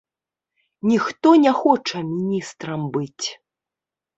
Ніхто не хоча міністрам быць.